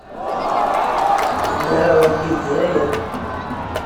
Ddreɣ deg Lezzayer.